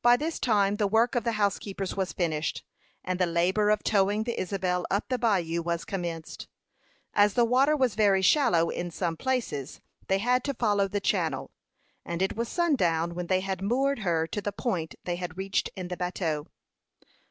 By this time the work of the housekeepers was finished, and the labor of towing the Isabel up the bayou was commenced. As the water was very shallow in some places, they had to follow the channel; and it was sundown when they had moored her to the point they had reached in the bateau.